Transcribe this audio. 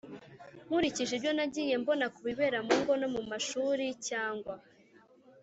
nkurikije ibyo nagiye mbona ku bibera mu ngo no mu mashuri cyangwa